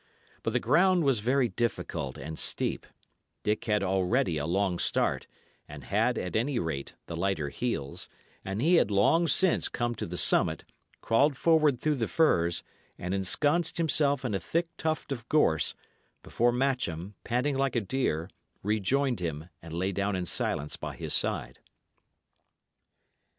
But the ground was very difficult and steep; Dick had already a long start, and had, at any rate, the lighter heels, and he had long since come to the summit, crawled forward through the firs, and ensconced himself in a thick tuft of gorse, before Matcham, panting like a deer, rejoined him, and lay down in silence by his side.